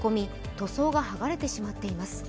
塗装が剥がれてしまっています。